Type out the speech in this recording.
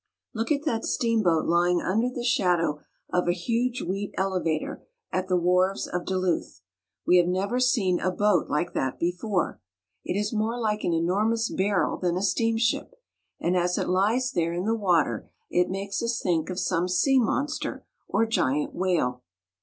Look at that steamboat lying under the shadow of a huge wheat elevator at the wharves of Duluth ! We have never seen a boat Hke that before. It is more like an enormous barrel than a steamship, and as it lies there in the water it makes us think of some sea monster or giant whale.